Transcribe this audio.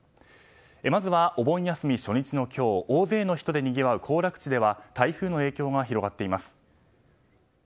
まずはお盆休み初日の今日大勢の人でにぎわう行楽地では台風の影響が広がっています。